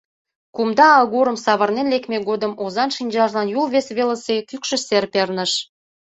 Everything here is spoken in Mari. Кумда агурым савырнен лекме годым озан шинчажлан Юл вес велысе кӱкшӧ сер перныш.